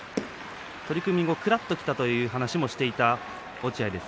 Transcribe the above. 取組後、くらっときたという話をしていました落合です。